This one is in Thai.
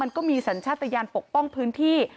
มันก็มีสัญชาติยานปกป้องพื้นที่